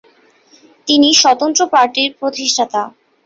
তিনি স্বতন্ত্র পার্টির প্রতিষ্ঠাতা।